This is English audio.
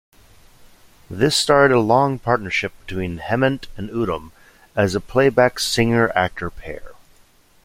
This started a long partnership between Hemant and Uttam as a playback singer-actor pair.